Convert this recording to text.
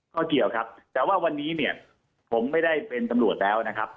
ก็เกี่ยวครับแต่ว่าวันนี้เนี่ยผมไม่ได้เป็นตำรวจแล้วนะครับ